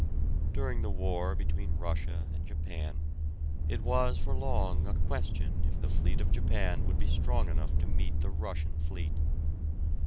During the war between Russia and Japan, it was for long a question if the fleet of Japan would be strong enough to meet the Russian fleet.